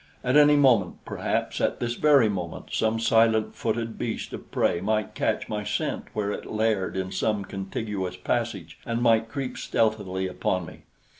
At any moment, perhaps at this very moment, some silent footed beast of prey might catch my scent where it laired in some contiguous passage, and might creep stealthily upon me.